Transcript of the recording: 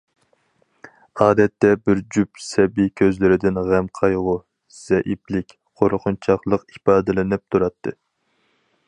ئادەتتە، بىر جۈپ سەبىي كۆزلىرىدىن غەم- قايغۇ، زەئىپلىك، قورقۇنچاقلىق ئىپادىلىنىپ تۇراتتى.